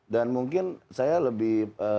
dan mungkin saya lebih